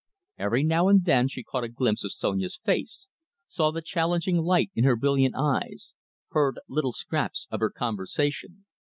Every now and then she caught a glimpse of Sonia's face, saw the challenging light in her brilliant eyes, heard little scraps of her conversation.